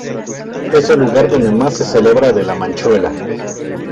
Es el lugar donde más se celebra de la Manchuela.